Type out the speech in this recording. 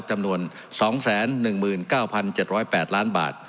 จำนวน๒๑๙๗๐๘ล้านบาท